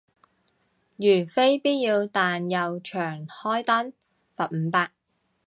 如非必要但又長開燈，罰五百